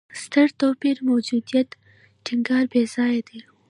ستر توپیر موجودیت ټینګار بېځایه دی.